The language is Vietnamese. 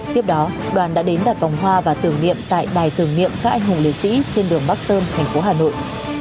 tiếp đó đoàn đã đến đặt vòng hoa và tưởng niệm tại đài tưởng niệm các anh hùng liệt sĩ trên đường bắc sơn thành phố hà nội